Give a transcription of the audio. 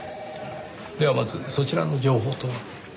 ではまずそちらの情報とは？